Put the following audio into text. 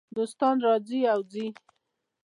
دوستان راځي او ځي .